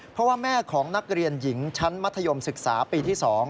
เพราะว่าแม่ของนักเรียนหญิงชั้นมัธยมศึกษาปีที่๒